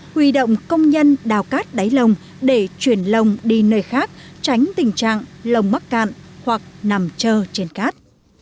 huy động công nhân đào cát đáy lồng để chuyển lồng đi nơi khác tránh tình trạng lồng mắc cạn hoặc nằm trơ trên cát